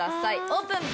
オープン。